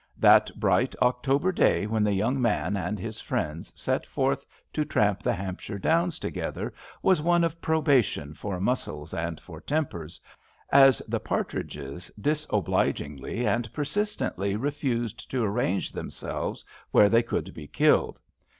That bright October day when the young man and his friends 89 HAMPSHIRE VIGNETTES set forth to tramp the Hampshire Downs tc^ether was one of probation for muscles and for tempers, as the partridges disoblig ingly and persistently refused to arrange themselves where they could be killed.